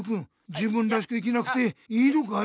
自分らしく生きなくていいのかい？